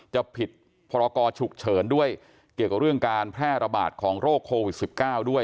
จะผิดพรกรฉุกเฉินด้วยเกี่ยวกับเรื่องการแพร่ระบาดของโรคโควิด๑๙ด้วย